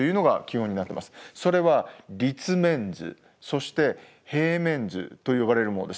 それは立面図そして平面図と呼ばれるものです。